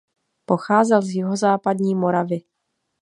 Pocházel z jihozápadní Moravy.